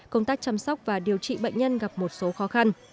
công tác chăm sóc và điều trị bệnh nhân gặp một số khó khăn